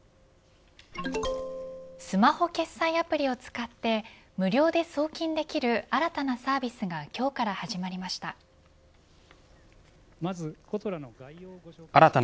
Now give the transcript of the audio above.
スマホ決済サービスを使って無料で送金できる新たなサービスが今日から始まりました。